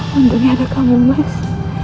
mendingan ada kamu mas